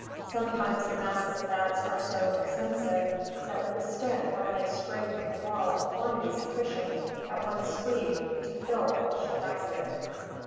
Sometimes the masses of bats are so extensive that with a stick one may scrape from the wall a quantity sufficient at one sweep to All a bushel basket.